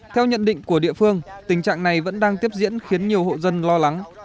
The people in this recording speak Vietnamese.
theo nhận định của địa phương tình trạng này vẫn đang tiếp diễn khiến nhiều hộ dân lo lắng